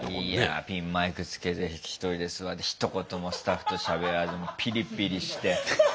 いいやピンマイクつけて１人で座ってひと言もスタッフとしゃべらずピリピリして。